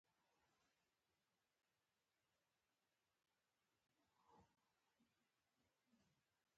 د سلکتا په نوم د اشرافو له خوا اداره کېده.